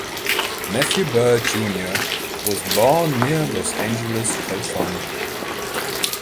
Matthew Beard, Junior was born near Los Angeles, California.